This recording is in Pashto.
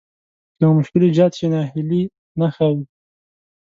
که يو مشکل ايجاد شي ناهيلي نه ښايي.